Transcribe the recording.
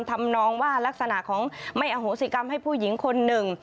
ทำนองว่ารักษณะของไม่อโหสิกรรมให้ผู้หญิงคนหนึ่ง